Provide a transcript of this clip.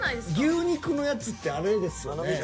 牛肉のやつってあれですよね？